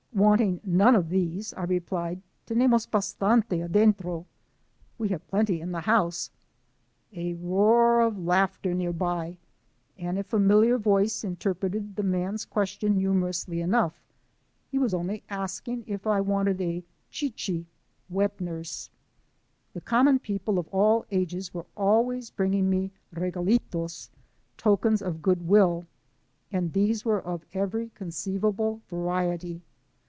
Wanting none of these, I replied :Tenemos bastante adentro' ( We have plenty in the house *'). A roar of laughter iiear by, and a familiar voice interpreted the man's question humorously enough ; he was only asking if I wanted a r///V"/// (wet nurse). The common people of all ages were always bringing me regalitos (tokens of good will), and these were of ever}'' conceivable variety.